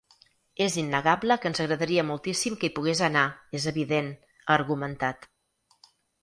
“És innegable que ens agradaria moltíssim que hi pogués anar, és evident”, ha argumentat.